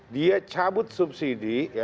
dia cabut subsidi